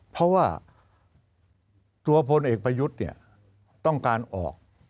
เพราะว่าตัวพลเอกประยุทธ์เนี่ยต้องการออก